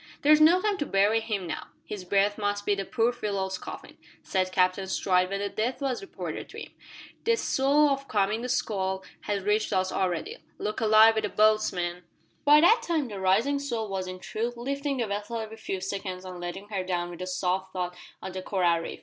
"There's no time to bury him now. His berth must be the poor fellow's coffin," said Captain Stride, when the death was reported to him. "The swell o' the coming squall has reached us already. Look alive wi' the boats, men!" By that time the rising swell was in truth lifting the vessel every few seconds and letting her down with a soft thud on the coral reef.